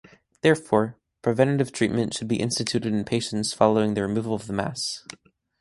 Therefore, preventative treatment should be instituted in patients following the removal of the mass.